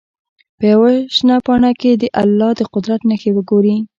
په یوه شنه پاڼه کې دې د الله د قدرت نښې وګوري.